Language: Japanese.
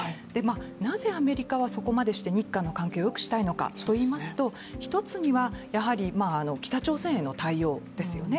なぜアメリカはそこまでして日韓の関係をよくしたいのかといいますと、一つにはやはり北朝鮮への対応ですよね。